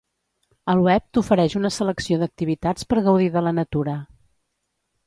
El web t'ofereix una selecció d'activitats per gaudir de la natura.